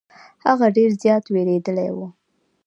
هغه ډير زيات ويرويدلې وه.